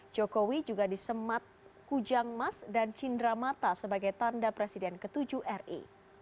jokowi juga disemat kujang mas dan cindramata sebagai tanda presiden ke tujuh ri